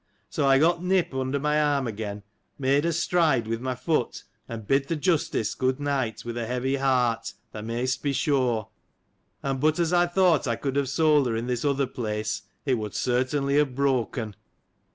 So, I got Nip under my arm again, made a stride with my foot, and bid th' Justice 607 good night, with a heavy heart, thou mayst be sure : and but, as I thought I could have sold her in this other place, it would certainly have broken.